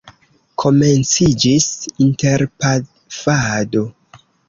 Komenciĝis interpafado.